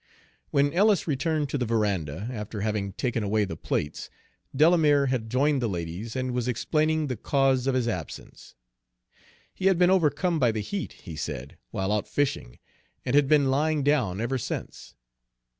When Ellis returned to the veranda, after having taken away the plates, Delamere had joined the ladies and was explaining the cause of his absence. He had been overcome by the heat, he said, while out fishing, and had been lying down ever since.